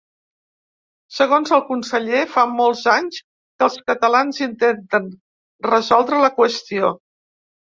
Segons el conseller, ‘fa molts anys’ que els catalans intenten ‘resoldre la qüestió’.